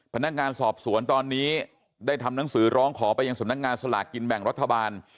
พนักงานสอบสวนตอนนี้ได้ทำหนังสือร้องขอไปยังสำนักงานสลากกินแบ่งรัฐบาล